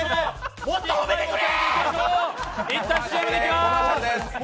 もっと褒めてくれ！